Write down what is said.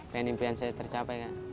pengen impian saya tercapai